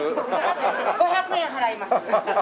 ５００円払います。